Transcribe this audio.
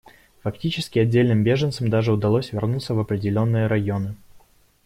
Фактически отдельным беженцам даже удалось вернуться в определенные районы.